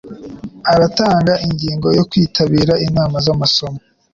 Aratanga ingingo yo kwitabira inama zamasomo.